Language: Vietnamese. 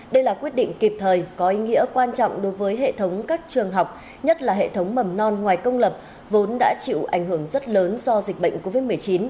đây là quyết định kịp thời có ý nghĩa quan trọng đối với hệ thống các trường học nhất là hệ thống mầm non ngoài công lập vốn đã chịu ảnh hưởng rất lớn do dịch bệnh covid một mươi chín